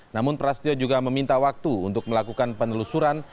namun prasetyo juga meminta waktu untuk melakukan penelusuran